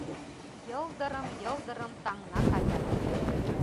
Йылдырым-йылдырым таҥна каяле